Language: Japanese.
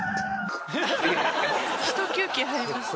ひと休憩入りました。